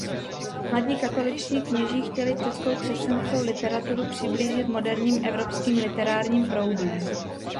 Mladí katoličtí kněží chtěli českou křesťanskou literaturu přiblížit moderním evropským literárním proudům.